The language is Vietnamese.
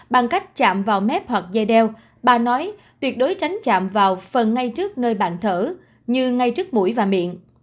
bằng cách chạm vào mép hoặc dây đeo bà nói tuyệt đối tránh chạm vào phần ngay trước nơi bạn thở như ngay trước mũi và miệng